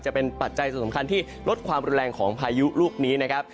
ปัจจัยสำคัญที่ลดความรุนแรงของพายุลูกนี้นะครับ